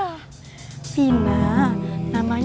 kamu ingat sama aku kan